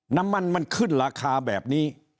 น้ำมันมันขึ้นราคาแบบนี้